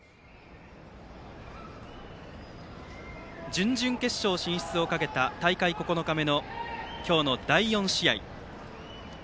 準々決勝進出をかけた大会９日目の今日の第４試合。